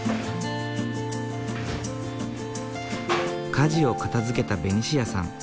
家事を片づけたベニシアさん。